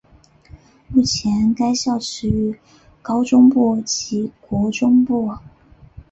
目前该校设有高中部及国中部。